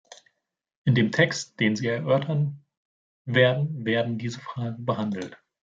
In dem Text, den Sie erörtern werden, werden diese Fragen behandelt.